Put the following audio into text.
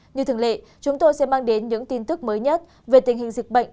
như thường lệ chúng tôi sẽ mang đến những tin tức mới nhất về tình hình dịch bệnh